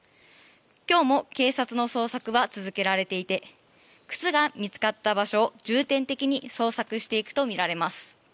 今日も警察の捜索は続けられていて靴が見つかった場所を重点的に捜索していくとみられます。